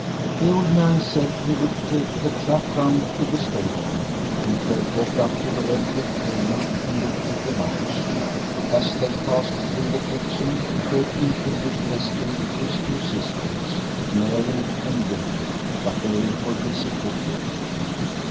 The old man said he would take the trap round to the stable, and Fred walked up the red bricked pavement and lifted the latch. As they passed through the kitchen Fred introduced Esther to his two sisters, Mary and Lily. But they were busy cooking.